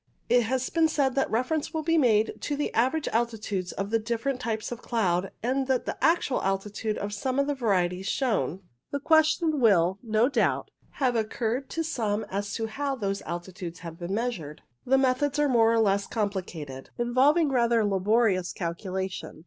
It has been said that reference will be made to the average altitudes of the different types of cloud, and to the actual altitude of some of the varieties shown. The question will, no doubt, have occurred CLOUD ALTITUDES 19 to some as to how those altitudes have been measured. The methods are all more or less com plicated, involving rather laborious calculation.